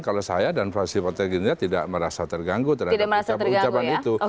kalau saya dan fransipo tenggerindra tidak merasa terganggu terhadap ucapan itu